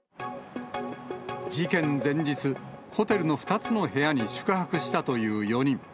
事件前日、ホテルの２つの部屋に宿泊したという４人。